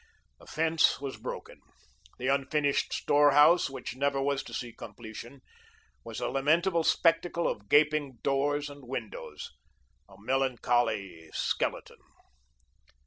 The fence was broken; the unfinished storehouse, which never was to see completion, was a lamentable spectacle of gaping doors and windows a melancholy skeleton.